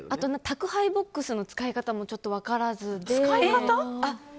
宅配ボックスの使い方もちょっと分からずで。